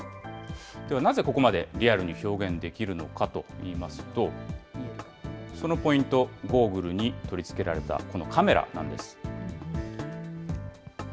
ではなぜここまでリアルに表現できるのかといいますと、そのポイント、ゴーグルに取り付けられた、このカメラなんです。